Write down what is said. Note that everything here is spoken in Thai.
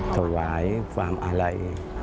ถวายความอาลัย